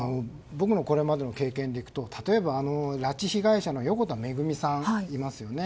僕のこれまでの経験でいくと拉致被害者の横田めぐみさんいますよね。